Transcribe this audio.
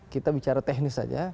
kita bicara teknis saja